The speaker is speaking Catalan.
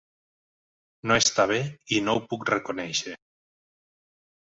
No està bé, i no ho puc reconèixer.